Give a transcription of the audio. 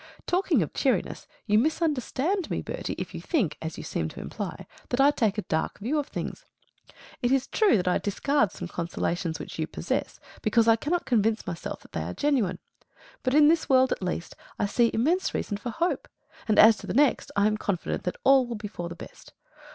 Talking of cheeriness, you misunderstand me, Bertie, if you think (as you seem to imply) that I take a dark view of things. It is true that I discard some consolations which you possess, because I cannot convince myself that they are genuine; but in this world, at least, I see immense reason for hope, and as to the next I am confident that all will be for the best.